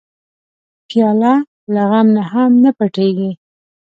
پیاله له غم نه هم پټېږي.